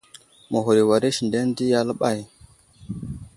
Məghur i war isendene di aləɓay.